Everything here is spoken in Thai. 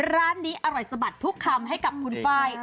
ร้านนี้อร่อยสะบัดทุกคำให้กับคุณไฟล์